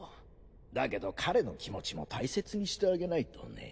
だけど彼の気持ちも大切にしてあげないとね。